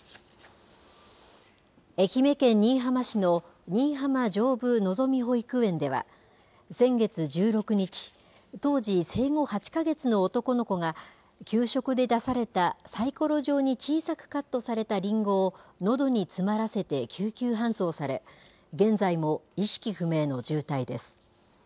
愛媛県新居浜市の新居浜上部のぞみ保育園では、先月１６日、当時、生後８か月の男の子が、給食で出された、さいころ状に小さくカットされたりんごをのどに詰まらせて救急搬送され、現在も意識不明の重体です。